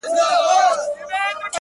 ورځم چي عمر چي له يو ساعته کم ساز کړي;